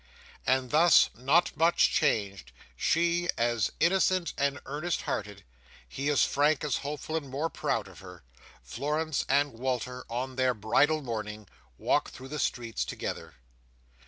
And thus—not much changed—she, as innocent and earnest hearted—he, as frank, as hopeful, and more proud of her—Florence and Walter, on their bridal morning, walk through the streets together.